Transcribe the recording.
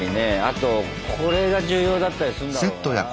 あとこれが重要だったりするんだろうな。